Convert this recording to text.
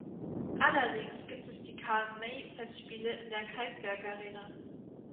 Allerdings gibt es die Karl-May-Festspiele in der Kalkbergarena.